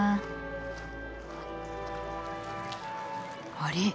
あれ？